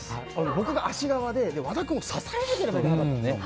僕が足側で和田君を支えなきゃいけなかったんですね。